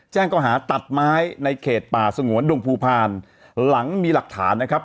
ก่อหาตัดไม้ในเขตป่าสงวนดงภูพาลหลังมีหลักฐานนะครับ